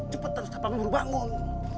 cepet terus kapan buru bangun